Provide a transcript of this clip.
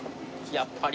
やっぱり。